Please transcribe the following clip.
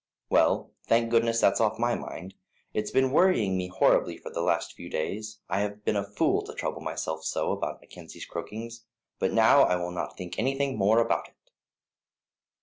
Well, thank goodness, that's off my mind; it's been worrying me horribly for the last few days. I have been a fool to trouble myself so about Mackenzie's croakings, but now I will not think anything more about it."